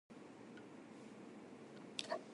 お里の便りも絶え果てた